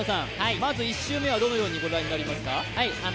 まず１周目はどのように御覧になりますか？